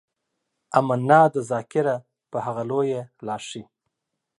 امنا ده ذاکره په هغه لويه لاښي.